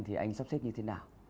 thì anh sắp xếp như thế nào